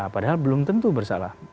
padahal belum tentu bersalah